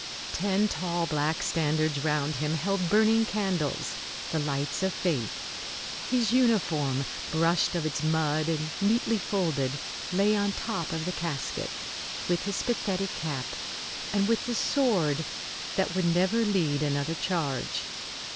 Ten tall black standards round him held burning candles, the lights of faith. His uniform, brushed of its mud and neatly folded, lay on top of the casket, with his pathetic cap and with the sword that would never lead another charge.